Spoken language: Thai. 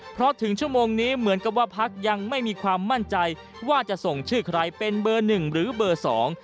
เพราะถึงชั่วโมงนี้เหมือนกับว่าพักยังไม่มีความมั่นใจว่าจะส่งชื่อใครเป็นเบอร์หนึ่งหรือเบอร์สอง